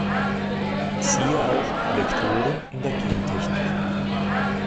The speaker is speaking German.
Siehe auch Vektoren in der Gentechnik.